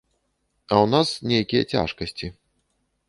А ў нас нейкія цяжкасці.